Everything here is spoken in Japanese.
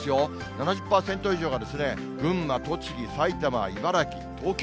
７０％以上が群馬、栃木、埼玉、茨城、東京。